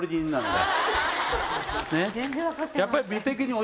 やっぱり。